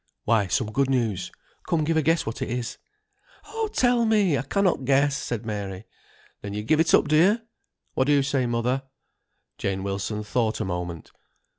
"Why, some good news. Come, give a guess what it is." "Oh, tell me! I cannot guess," said Mary. "Then you give it up, do you? What do you say, mother?" Jane Wilson thought a moment.